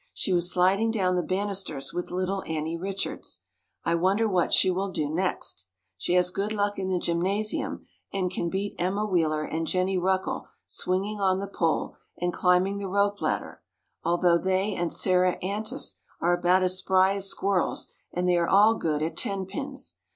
She was sliding down the bannisters with little Annie Richards. I wonder what she will do next. She has good luck in the gymnasium and can beat Emma Wheeler and Jennie Ruckle swinging on the pole and climbing the rope ladder, although they and Sarah Antes are about as spry as squirrels and they are all good at ten pins.